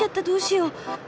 どうしよう。